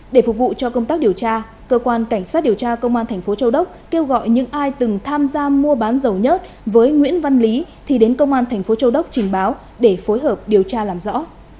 để phục vụ cho công tác điều tra cơ quan cảnh sát điều tra công an thành phố châu đốc kêu gọi những ai từng tham gia mua bán dầu nhất với nguyễn văn lý thì đến công an thành phố châu đốc trình báo để phối hợp điều tra làm rõ